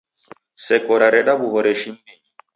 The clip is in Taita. Seko rareda w'uhoreshi m'mbinyi.